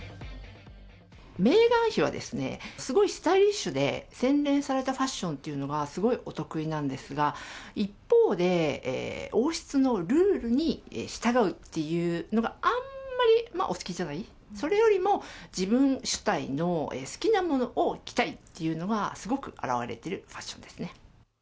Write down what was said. メーガン妃はですね、すごいスタイリッシュで、洗練されたファッションというのがすごいお得意なんですが、一方で、王室のルールに従うっていうのがあんまりお好きじゃない、それよりも、自分主体の好きなものを着たいというのが、すごく表れているファッションですね。